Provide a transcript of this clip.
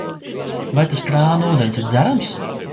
Vai tas krāna ūdens ir dzerams?